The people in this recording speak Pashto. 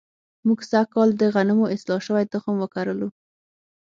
موږ سږ کال د غنمو اصلاح شوی تخم وکرلو.